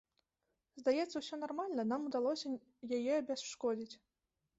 Здаецца, усё нармальна, нам удалося яе абясшкодзіць.